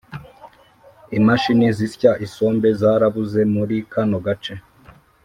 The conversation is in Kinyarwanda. imashini zisya isombe zarabuze muri kano gace